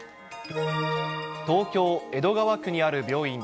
東京・江戸川区にある病院。